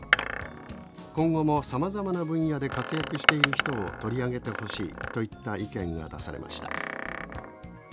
今後もさまざまな分野で活躍している人を取り上げてほしい」といった意見が出されました。